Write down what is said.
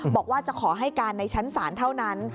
บอกว่าจะขอให้การในชั้นศาลเท่านั้น